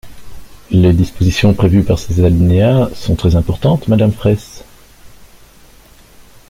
Les dispositions prévues par ces alinéas sont très importantes, madame Fraysse.